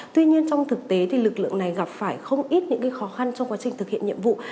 tuy nhiên trong thực tế thì lực lượng này gặp phải không ít những khó khăn trong quá trình thực hiện nhiệm vụ